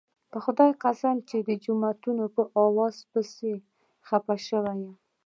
په خدای قسم چې د جومات په اذان پسې خپه شوی یم.